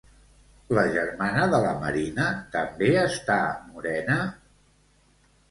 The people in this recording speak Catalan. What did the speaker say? La germana de la Marina també està morena?